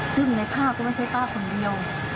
ซึ่งในภาพก็ไม่ใช่ป้าคนเดียว